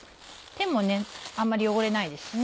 手もあんまり汚れないですしね。